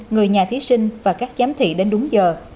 người nhà thí sinh và các giám thị đến đúng giờ